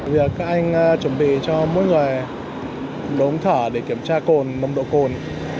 việc các anh chuẩn bị cho mỗi người đống thở để kiểm tra nồng độ cồn